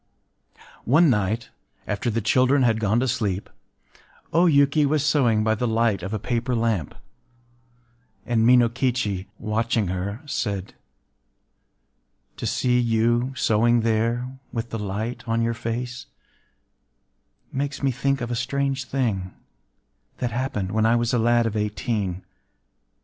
One night, after the children had gone to sleep, O Yuki was sewing by the light of a paper lamp; and Minokichi, watching her, said:— “To see you sewing there, with the light on your face, makes me think of a strange thing that happened when I was a lad of eighteen.